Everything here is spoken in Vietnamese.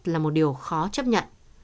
là một điều khó chấp nhận